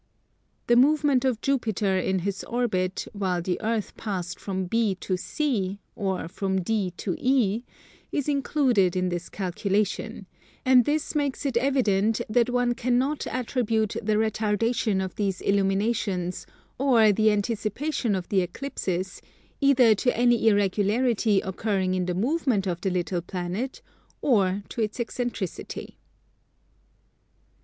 The movement of Jupiter in his orbit while the Earth passed from B to C, or from D to E, is included in this calculation; and this makes it evident that one cannot attribute the retardation of these illuminations or the anticipation of the eclipses, either to any irregularity occurring in the movement of the little planet or to its eccentricity.